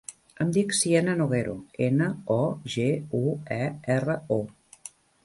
Em dic Siena Noguero: ena, o, ge, u, e, erra, o.